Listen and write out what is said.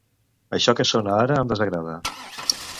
Això que sona ara em desagrada.